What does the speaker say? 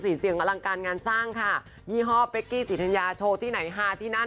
เสียงอลังการงานสร้างค่ะยี่ห้อเป๊กกี้ศรีธัญญาโชว์ที่ไหนฮาที่นั่น